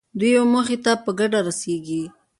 دوی یوې موخې ته په ګډه رسېږي.